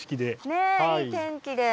ねえいい天気で。